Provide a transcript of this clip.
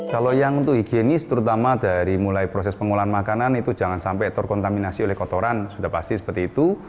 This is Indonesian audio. kalau yang untuk higienis terutama dari mulai proses pengolahan makanan itu jangan sampai terkontaminasi oleh kotoran sudah pasti seperti itu